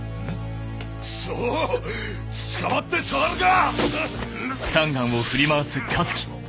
クソ捕まってたまるか！